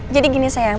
jadi gini sayang